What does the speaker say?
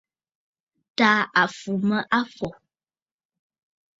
Tàa à fù mə afɔ̀.